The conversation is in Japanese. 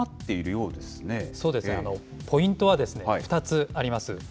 そうですね、ポイントは２つあります。